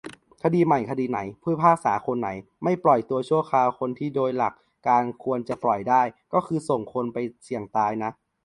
คดีใหม่คดีไหน ผู้พิพากษาคนไหนไม่ปล่อยตัวชั่วคราวคนที่โดยหลักการควรจะปล่อยได้ ก็คือส่งคนไปเสี่ยงตายนะ